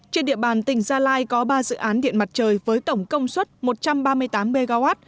trên địa bàn tỉnh gia lai có ba dự án điện mặt trời với tổng công suất một trăm ba mươi tám mw